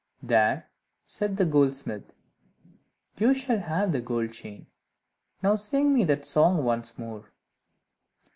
"There," said the goldsmith; "you shall have the gold chain now sing me that song once more."